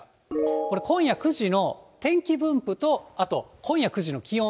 これ、今夜９時の天気分布と今夜９時の気温。